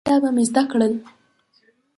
له دې کتابه مې زده کړل